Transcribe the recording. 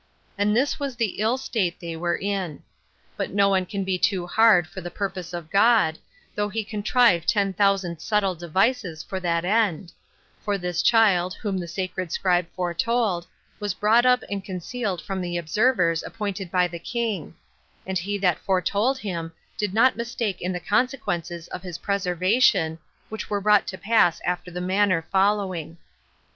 And this was the ill state they were in. But no one can be too hard for the purpose of God, though he contrive ten thousand subtle devices for that end; for this child, whom the sacred scribe foretold, was brought up and concealed from the observers appointed by the king; and he that foretold him did not mistake in the consequences of his preservation, which were brought to pass after the manner following: 3.